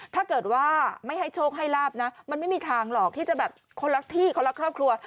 ถ้าเกิดว่าไม่ให้โชคให้ลาบนะมันไม่มีทางหรอกที่จะแบบคนละที่คนละครอบครัว